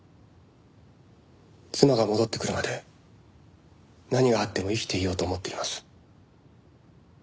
妻が戻ってくるまで何があっても生きていようと思っています。